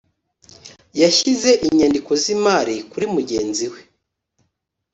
yashyize inyandiko z imari kuri mugenzi we